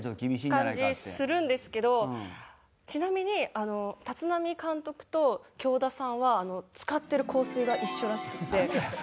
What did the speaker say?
感じするんですけどちなみに立浪監督と京田さんは使ってる香水が一緒らしくて。